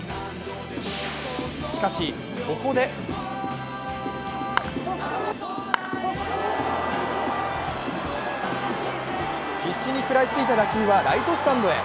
しかし、ここで必死に食らいついた打球はライトスタンドへ。